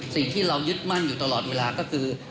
สิ่งที่เรายึดมั่นอยู่ตลอดเวลาก็คือ